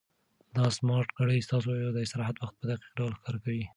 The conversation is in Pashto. دا سمارټ ګړۍ ستاسو د استراحت وخت په دقیق ډول ښکاره کوي.